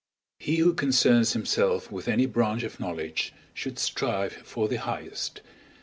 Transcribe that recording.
He who concerns himself with any branch of knowledge, should strive for the highest!